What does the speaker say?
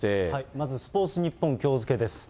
まずスポーツニッポン、きょう付けです。